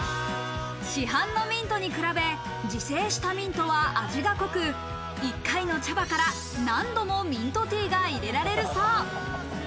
市販のミントに比べ自生したミントは味が濃く、一回の茶葉から何度もミントティーが入れられるそう。